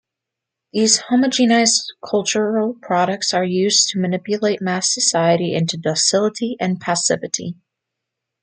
These homogenized cultural products are used to manipulate mass society into docility and passivity.